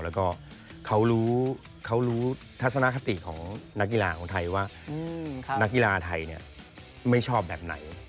แล้วก็เขารู้ทัศนคติของนักกีฬาของไทยว่านักกีฬาไทยไม่ชอบแบบไหน